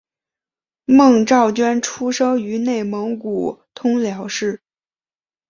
孟昭娟出生于内蒙古通辽市。